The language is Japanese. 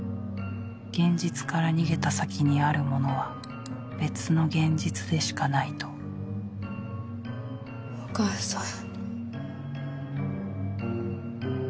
現実から逃げた先にあるものは別の現実でしかないとお義母さん。